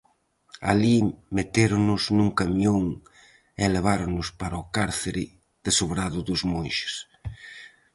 Alí metéronos nun camión e leváronos para o cárcere de Sobrado dos Monxes.